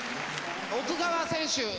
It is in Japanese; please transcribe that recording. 奥川選手